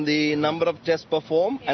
tentang jumlah penyakit yang dilakukan